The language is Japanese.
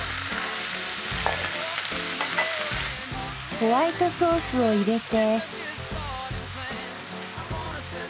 ホワイトソースを入れて。